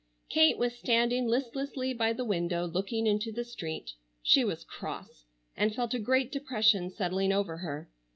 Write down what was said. Kate was standing listlessly by the window looking into the street. She was cross and felt a great depression settling over her.